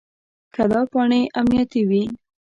که دا پاڼې امنیتي وي.